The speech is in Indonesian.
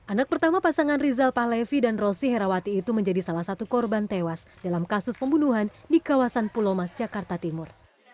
anak pertama pasangan rizal pahlevi dan rosi herawati itu menjadi salah satu korban tewas dalam kasus pembunuhan di kawasan pulau mas jakarta timur